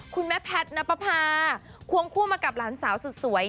คุณแม่แพทนปภาควงคู่มากับหลานสาวสวย